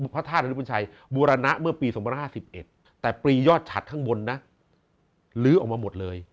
พระธาตุอนุบุญชัยบูรณะเมื่อปี๒๕๑แต่ปรียอดฉัดข้างบนนะลื้อออกมาหมดเลย